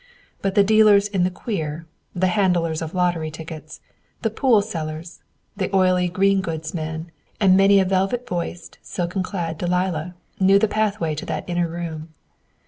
But the dealers in the "queer," the handlers of lottery tickets, the pool sellers, the oily green goods man, and many a velvet voiced, silken clad Delilah knew the pathway to that inner room.